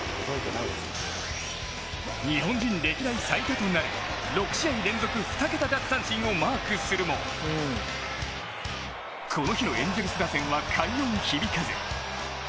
日本人歴代最多となる６試合連続２桁奪三振をマークするもこの日のエンゼルス打線は快音響かず。